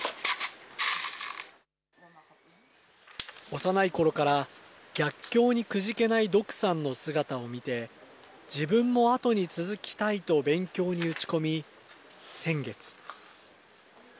幼いころから逆境にくじけないドクさんの姿を見て、自分も後に続きたいと勉強に打ち込み、先月。